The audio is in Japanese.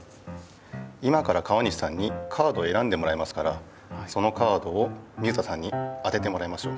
今から川西さんにカードをえらんでもらいますからそのカードを水田さんに当ててもらいましょう。